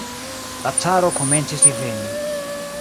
La caro komencis diveni.